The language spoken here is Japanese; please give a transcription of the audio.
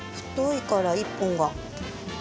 太いから１本が。